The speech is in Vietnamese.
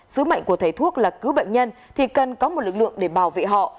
sứ mệnh của thầy thuốc là cứu bệnh nhân thì cần có một lực lượng để bảo vệ họ